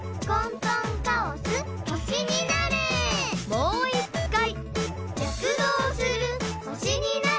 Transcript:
もういっかい！